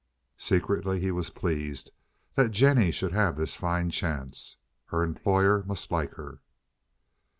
Secretly he was pleased that Jennie should have this fine chance. Her employer must like her.